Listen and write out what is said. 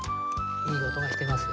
いい音がしてますよ。